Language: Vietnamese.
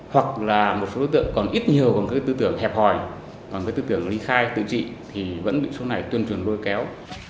hoặc là một số đối tượng còn ít nhiều còn tư tưởng hẹp hòi còn với tư tưởng ly khai tự trị thì vẫn bị số này tuyên truyền lôi kéo